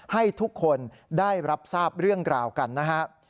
ให้ทุกคนได้รับทราบเรื่องราวกันนะฮะ